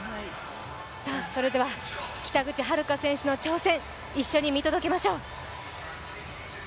それでは北口榛花選手の挑戦一緒に見届けましょう。